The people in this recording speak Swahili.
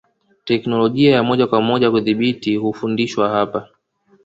Teknolojia ya moja kwa moja kudhibiti hufundishwa hapa